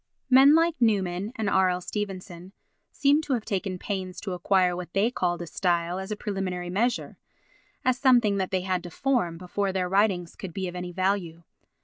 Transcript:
Men like Newman and R. L. Stevenson seem to have taken pains to acquire what they called a style as a preliminary measure—as something that they had to form before their writings could be of any value.